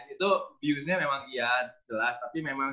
itu abuse nya memang iya jelas tapi memang